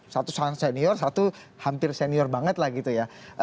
satu sangat senior satu hampir senior banget lah gitu ya